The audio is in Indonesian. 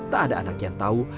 tak ada anak yang tahu